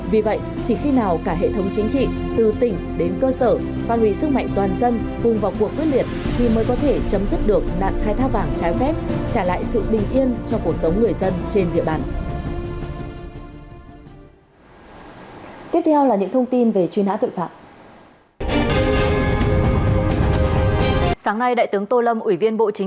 vì vậy chỉ khi nào cả hệ thống chính trị từ tỉnh đến cơ sở phan hủy sức mạnh toàn dân cùng vào cuộc quyết liệt thì mới có thể chấm dứt được nạn khai thác vàng trái phép trả lại sự bình yên cho cuộc sống người dân trên địa bàn